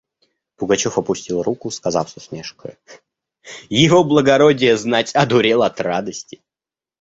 Пугачев опустил руку, сказав с усмешкою: «Его благородие, знать, одурел от радости.